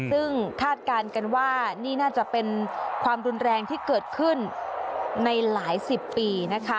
ซึ่งคาดการณ์กันว่านี่น่าจะเป็นความรุนแรงที่เกิดขึ้นในหลายสิบปีนะคะ